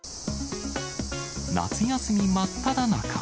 夏休み真っただ中。